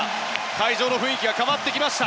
会場の雰囲気が変わってきました。